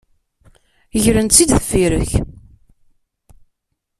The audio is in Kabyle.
Grent-tt-id deffir-k.